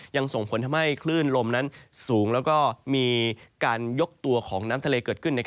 ส่งผลทำให้คลื่นลมนั้นสูงแล้วก็มีการยกตัวของน้ำทะเลเกิดขึ้น